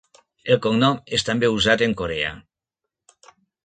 El cognom és també usat en Corea.